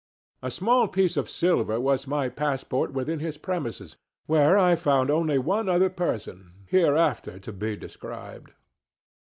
A small piece of silver was my passport within his premises, where I found only one other person, hereafter to be described.